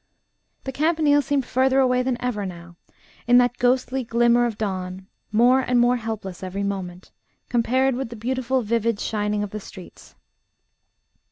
The Campanile seemed further away than ever now, in that ghostly glimmer of dawn more and more helpless every moment, compared with the beautiful vivid shining of the streets.